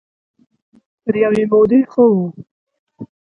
تر يوې مودې ښه وو.